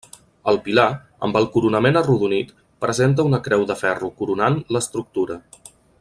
El pilar, amb el coronament arrodonit, presenta una creu de ferro coronant l'estructura.